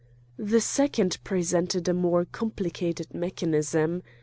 The second presented a more complicated mechanism.